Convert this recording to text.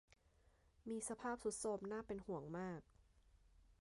มีสภาพทรุดโทรมน่าเป็นห่วงมาก